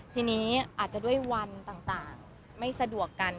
ทีนี้อาจจะด้วยวันต่างไม่สะดวกกัน